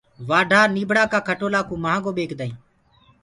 وآڍآ نيٚڀڙآ ڪآ کٽولآ ڪو مهآگآ ٻيچدآ هينٚ